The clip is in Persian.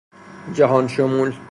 جهانشمول